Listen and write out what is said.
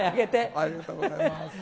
ありがとうございます。